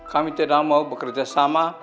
kami tidak mau bekerja sama